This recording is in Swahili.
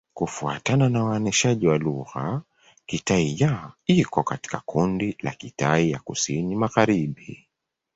Kufuatana na uainishaji wa lugha, Kitai-Ya iko katika kundi la Kitai ya Kusini-Magharibi.